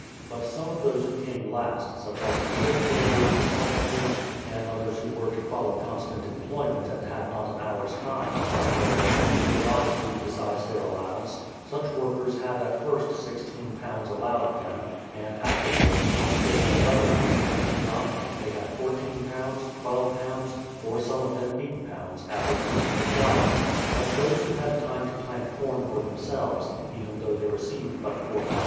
But some of those who came last, such as the ship builder, the salt men, and others who were to follow constant employment and had not an hour's time from their labour to provide food besides their allow ance, — such workers had at first 16 lbs. allowed them, and after wards, when fish and other food could be got, they had 14 lbs., 12 lbs., or some of them 8 lbs., as occasion required. But those who had time to plant corn for themselves, even though they received but 4 lbs.